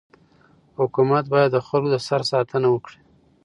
حکومت باید د خلکو د سر ساتنه وکړي.